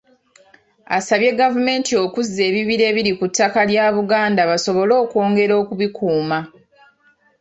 Asabye gavumenti okuzza ebibira ebiri ku ttaka lya Buganda basobole okwongera okubikuuma.